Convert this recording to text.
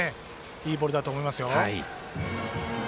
いいボールだと思いますよ。